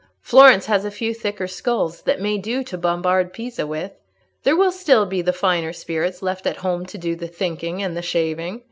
"Florence has a few thicker skulls that may do to bombard Pisa with; there will still be the finer spirits left at home to do the thinking and the shaving.